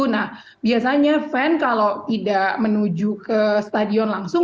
nah biasanya fan kalau tidak menuju ke stadion langsung